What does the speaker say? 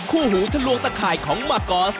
หูทะลวงตะข่ายของมากอส